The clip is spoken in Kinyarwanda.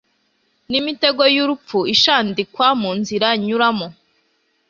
n’imitego y’urupfu ishandikwa mu nzira nyuramo